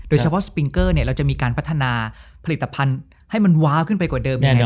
เฉพาะสปิงเกอร์เนี่ยเราจะมีการพัฒนาผลิตภัณฑ์ให้มันว้าวขึ้นไปกว่าเดิมยังไง